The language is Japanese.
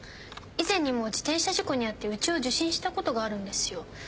以前にも自転車事故に遭ってうちを受診したことがあるんですよ。